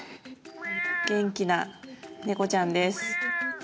元気な猫ちゃんです。